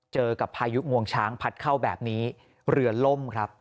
เจอกับพายุงวงช้างพัดเข้าแบบนี้เรือล่มครับ